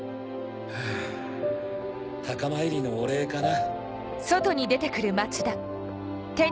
フゥ墓参りのお礼かな？